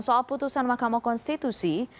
soal putusan mahkamah konstitusi